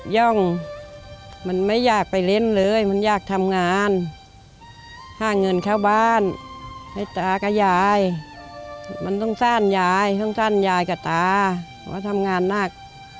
ลุงนี่ก็ดีว่ามันก็ทำงานหนัก